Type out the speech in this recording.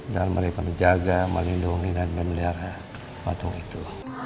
dan mereka menjaga melindungi dan memelihara patung itu